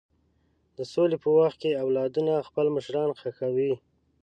د سولې په وخت کې اولادونه خپل مشران ښخوي.